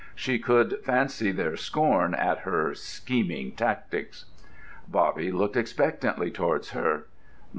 She could fancy their scorn at her "scheming tactics." Bobby looked expectantly towards her.